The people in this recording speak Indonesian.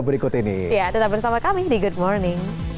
berikut ini ya tetap bersama kami di good morning